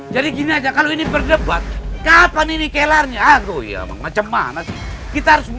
jadi gini aja kalau ini berdebat kapan ini kelar nya agoy apa macem mana sih kita harus